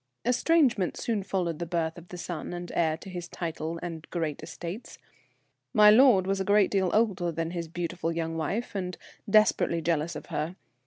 Estrangement soon followed the birth of the son and heir to his title and great estates. My lord was a great deal older than his beautiful young wife, and desperately jealous of her.